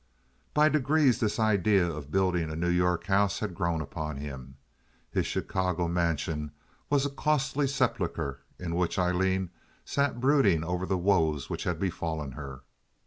By degrees this idea of building a New York house had grown upon him. His Chicago mansion was a costly sepulcher in which Aileen sat brooding over the woes which had befallen her.